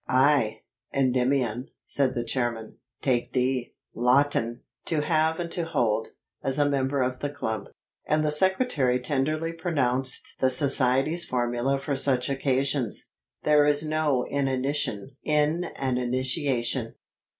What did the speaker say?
"I, Endymion," said the chairman, "take thee, Lawton, to have and to hold, as a member of the club." And the secretary tenderly pronounced the society's formula for such occasions: "There is no inanition in an initiation."